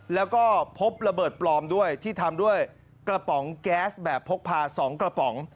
แล้วก็พบระเบิดปลอมด้วยที่ทำด้วยกระป๋องแก๊สแบบพกพา๒กระป๋อง